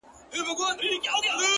دا غرونه . غرونه دي ولاړ وي داسي.